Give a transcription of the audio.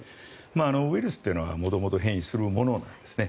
ウイルスというのは元々変異するものなんですね。